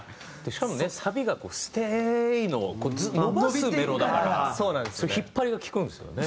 しかもねサビがこう「ＳＴＡＹ」の伸ばすメロだから引っ張りが効くんですよね。